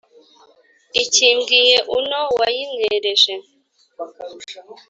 ikimbwiye uno wa yimwereje